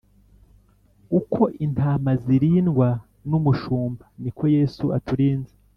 Uko intama zirindwa n’umushumba niko Yesu aturinze